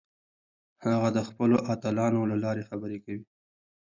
هغه د خپلو اتلانو له لارې خبرې کوي.